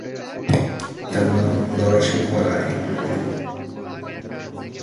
তার পিতার নাম নরসিংহ রায়।